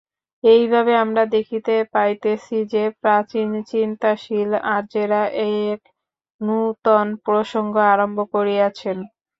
এইভাবে আমরা দেখিতে পাইতেছি যে, প্রাচীন চিন্তাশীল আর্যেরা এক নূতন প্রসঙ্গ আরম্ভ করিয়াছেন।